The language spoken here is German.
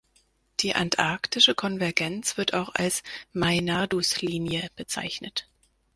Die Antarktische Konvergenz wird auch als Meinardus-Linie bezeichnet.